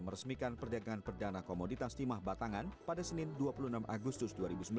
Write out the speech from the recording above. meresmikan perdagangan perdana komoditas timah batangan pada senin dua puluh enam agustus dua ribu sembilan belas